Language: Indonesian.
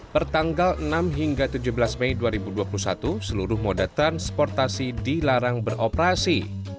pertanggal enam hingga tujuh belas mei dua ribu dua puluh satu seluruh moda transportasi dilarang beroperasi